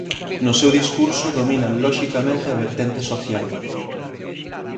No seu discurso domina loxicamente a vertente social.